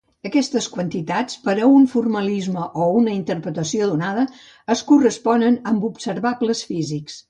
Aquestes quantitats, per a un formalisme o una interpretació donada, es corresponen amb observables físics.